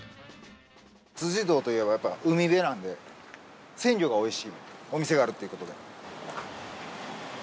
堂といえばやっぱ海辺なんで鮮魚が美味しいお店があるということで。